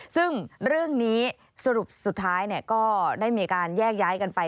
ซึ่งเรื่องนี้สรุปสุดท้ายก็ได้มีการแยกย้ายกันไป